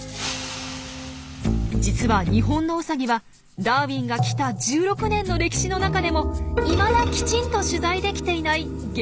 実はニホンノウサギは「ダーウィンが来た！」１６年の歴史の中でもいまだきちんと取材できていない激